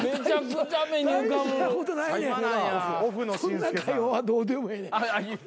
そんな会話はどうでもええねん。